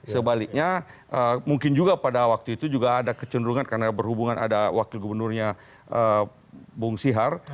sebaliknya mungkin juga pada waktu itu juga ada kecenderungan karena berhubungan ada wakil gubernurnya bung sihar